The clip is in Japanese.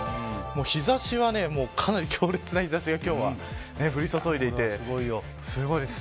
日差しはかなり強烈な日差しが今日は降り注いでいて、すごいです。